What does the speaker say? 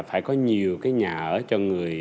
phải có nhiều cái nhà ở cho người